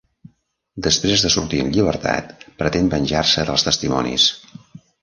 Després de sortir en llibertat, pretén venjar-se dels testimonis.